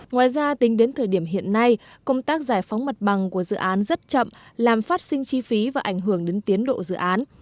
ngoài ra tính đến thời điểm hiện nay công tác giải phóng mặt bằng của dự án rất chậm làm phát sinh chi phí và ảnh hưởng đến tiến độ dự án